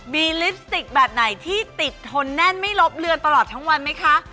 มีลิปสติกแบบไหนที่ติดทนแน่นไม่ลบเลือนตลอดทั้งวันไหมคะ